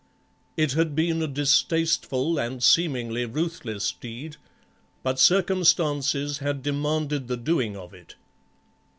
It had been a distasteful and seemingly ruthless deed, but circumstances had demanded the doing of it.